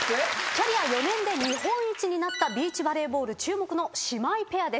キャリア４年で日本一になったビーチバレーボール注目の姉妹ペアです。